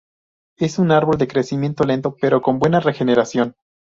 Es un árbol de crecimiento lento pero con buena regeneración.